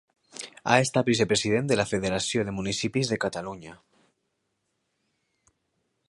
Ha estat vicepresident de la Federació de Municipis de Catalunya.